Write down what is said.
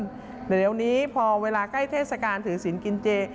เดี๋ยวนี้พอเวลาใกล้เทศกาลถือศิลป์กินเจ